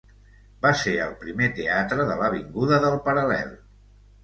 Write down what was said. Va ser el primer teatre de l'avinguda del Paral·lel.